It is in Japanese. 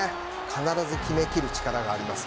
必ず決め切る力があります